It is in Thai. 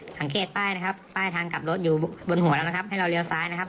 สังเกตป้ายนะครับป้ายทางกลับรถอยู่บนหัวแล้วนะครับให้เราเลี้ยวซ้ายนะครับ